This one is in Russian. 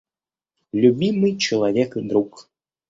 Любимый человек и друг!